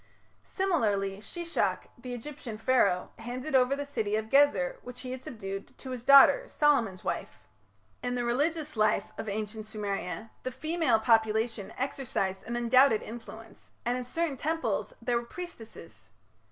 Similarly Shishak, the Egyptian Pharaoh, handed over the city of Gezer, which he had subdued, to his daughter, Solomon's wife. In the religious life of ancient Sumeria the female population exercised an undoubted influence, and in certain temples there were priestesses.